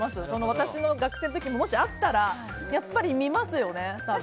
私の学生の時にもし、あったらやっぱり見ますよね、多分。